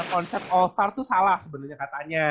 konsep all star itu salah sebenarnya katanya